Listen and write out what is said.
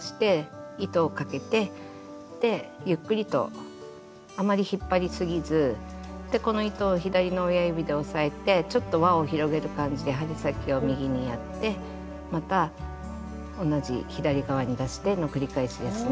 でゆっくりとあまり引っ張りすぎずこの糸を左の親指で押さえてちょっと輪を広げる感じで針先を右にやってまた同じ左側に出しての繰り返しですね。